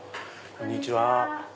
こんにちは。